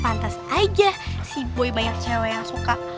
pantas aja si boy banyak cewek yang suka